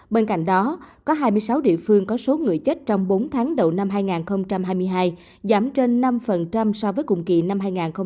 bên cạnh đó có hai mươi sáu địa phương có số người chết trong bốn tháng đầu năm hai nghìn hai mươi hai giảm trên năm so với cùng kỳ năm hai nghìn hai mươi hai